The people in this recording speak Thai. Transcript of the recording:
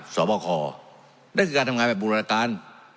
สอบคอนั่นคือการทำงานแบบบูรณาการ